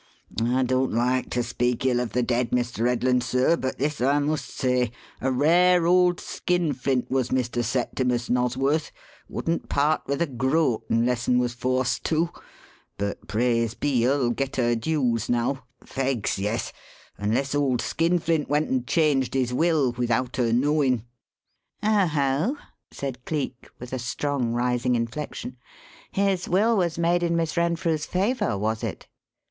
I don't like to speak ill of the dead, Mr. Headland, sir, but this I must say: A rare old skinflint was Mr. Septimus Nosworth wouldn't part with a groat unless un was forced to. But praise be, her'll get her dues now; fegs, yes! unless old skinflint went and changed his will without her knowin'." "Oho!" said Cleek, with a strong rising inflection. "His will was made in Miss Renfrew's favour, was it?"